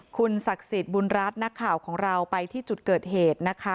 คุณศักดิ์สิทธิ์บุญรัฐนักข่าวของเราไปที่จุดเกิดเหตุนะคะ